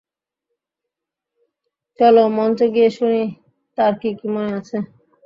চলো মঞ্চে গিয়ে শুনি তার কী কী মনে আছে।